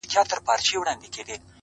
جاینماز راته هوار کړ